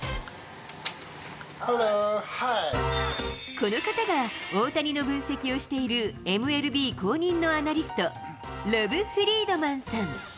この方が、大谷の分析をしている、ＭＬＢ公認のアナリスト、ロブ・フリードマンさん。